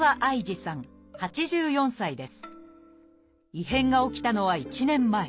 異変が起きたのは１年前。